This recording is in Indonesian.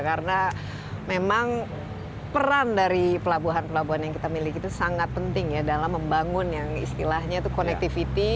karena memang peran dari pelabuhan pelabuhan yang kita miliki itu sangat penting ya dalam membangun yang istilahnya itu connectivity